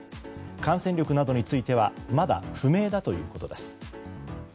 感染力などについてはまだ不明だということです。